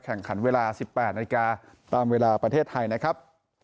แข่งขันเวลา๑๘นาฬิกาตามเวลาประเทศไทยนะครับ